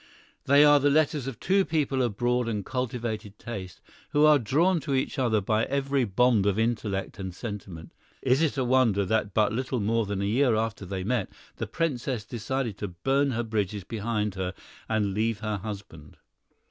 They are the letters of two people of broad and cultivated taste, who are drawn to each other by every bond of intellect and sentiment. Is it a wonder that but little more than a year after they met, the Princess decided to burn her bridges behind her and leave her husband?